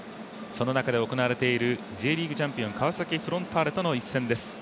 その中で行われているＪリーグチャンピオン、川崎フロンターレとの一戦です。